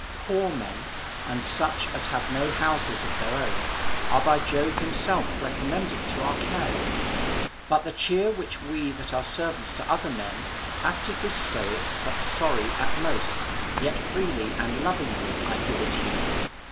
Poor men, and such as have no houses of their own, are by Jove himself recommended to our care. But the cheer which we that are servants to other men have to bestow is but sorry at most, yet freely and lovingly I give it you.